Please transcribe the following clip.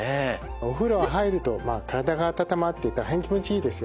お風呂は入ると体が温まって大変気持ちいいですよね。